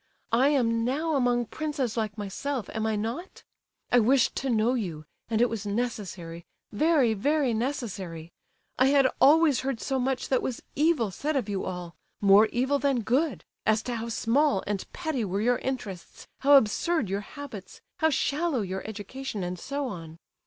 I am now among princes like myself, am I not? I wished to know you, and it was necessary, very, very necessary. I had always heard so much that was evil said of you all—more evil than good; as to how small and petty were your interests, how absurd your habits, how shallow your education, and so on.